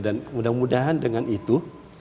dan mudah mudahan dengan itu